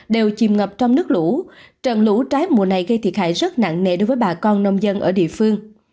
đều chìm ngập trong nước lũ trận lũ trái mùa này gây thiệt hại rất nặng nề đối với bà con nông dân ở địa phương